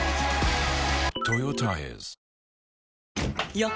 よっ！